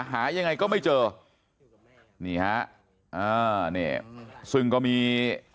หายังไงก็ไม่เจอนี่ฮะอ่านี่ซึ่งก็มี